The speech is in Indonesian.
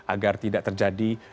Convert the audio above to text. agar tidak terjadi